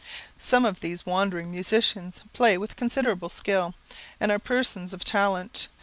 Some of these wandering musicians play with considerable skill, and are persons of talent.